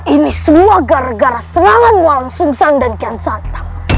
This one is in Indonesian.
ini semua gara gara serangan walaungsungsan dan kian santam